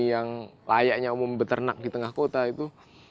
yang layaknya umum beternak di tengah kota itu